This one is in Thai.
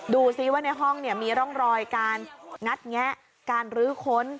ดูซิว่าในห้องมีร่องรอยการงัดแงะการรื้อค้น